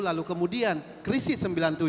lalu kemudian krisis sembilan puluh tujuh